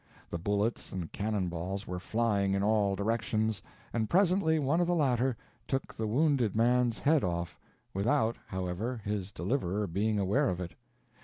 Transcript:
The bullets and cannon balls were flying in all directions, and presently one of the latter took the wounded man's head off without, however, his deliverer being aware of it.